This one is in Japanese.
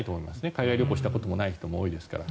海外旅行をしたことがない人も多いですから。